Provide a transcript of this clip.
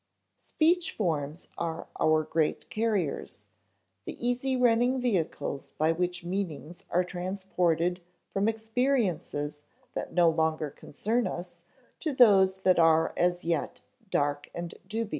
Speech forms are our great carriers: the easy running vehicles by which meanings are transported from experiences that no longer concern us to those that are as yet dark and dubious.